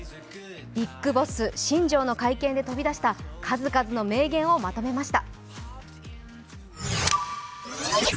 ビッグボス、新庄の会見で飛び出した数々の名言をまとめました。